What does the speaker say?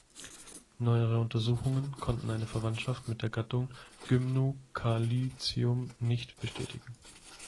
Neuere Untersuchungen konnten eine Verwandtschaft mit der Gattung "Gymnocalycium" nicht bestätigen.